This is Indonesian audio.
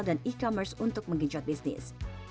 dan e commerce untuk menggincot bisnis